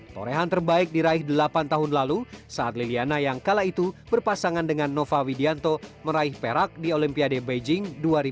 torehan terbaik diraih delapan tahun lalu saat liliana yang kala itu berpasangan dengan nova widianto meraih perak di olimpiade beijing dua ribu dua puluh